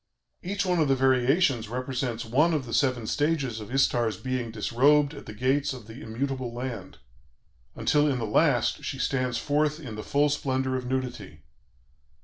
Each one of the variations represents one of the seven stages of Istar's being disrobed at the gates of the 'immutable land,' until in the last she stands forth in the full splendor of nudity....